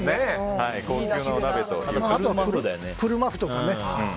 あとは車麩とかね。